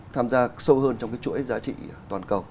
tham gia sâu hơn trong cái chuỗi giá trị toàn cầu